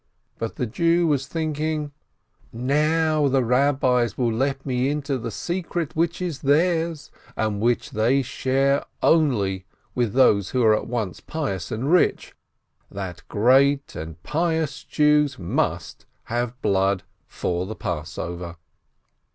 But the Jew was thinking : "Now the Eabbis will let me into the secret which is theirs, and which they share with those only who are at once pious and rich, that great and pious Jews must have blood for Passover."